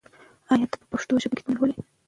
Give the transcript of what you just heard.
آیا ته په پښتو ژبه کتابونه لولې؟